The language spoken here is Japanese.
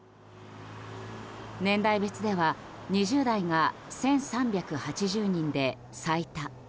年代別では２０代が１３８０人で最多。